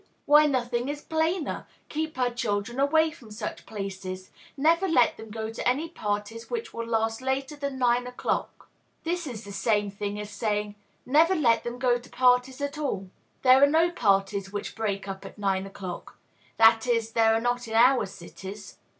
Why, nothing is plainer. Keep her children away from such places. Never let them go to any parties which will last later than nine o'clock." This is the same thing as saying, "Never let them go to parties at all." There are no parties which break up at nine o'clock; that is, there are not in our cities.